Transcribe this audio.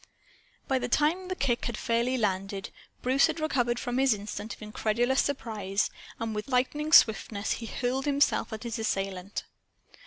By the time the kick had fairly landed, Bruce had recovered from his instant of incredulous surprise; and with lightning swiftness he hurled himself at his assailant.